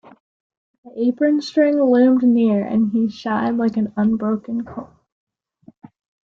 The apron string loomed near and he shied like an unbroken colt.